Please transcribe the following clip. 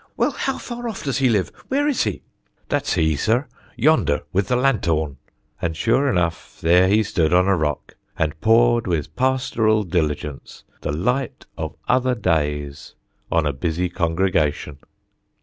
"Well, how far off does he live? Where is he?" "That's he, sir, yonder, with the lanthorn." And sure enough there he stood, on a rock, and poured, with pastoral diligence, 'the light of other days' on a busy congregation.